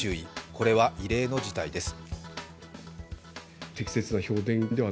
これは異例の事態です。